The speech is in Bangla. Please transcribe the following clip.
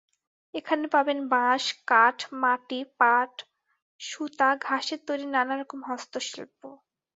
এখানে পাবেন বাঁশ, কাঠ, মাটি, পাট, সুতা, ঘাসের তৈরি নানা হস্তশিল্প।